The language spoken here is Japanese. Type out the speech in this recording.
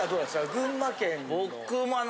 群馬県の。